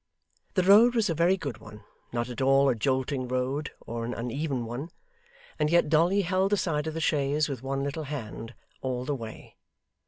The road was a very good one; not at all a jolting road, or an uneven one; and yet Dolly held the side of the chaise with one little hand, all the way.